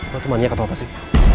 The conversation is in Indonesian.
kalau temannya atau apa sih